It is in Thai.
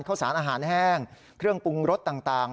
ข้าวสารอาหารแห้งเครื่องปรุงรสต่าง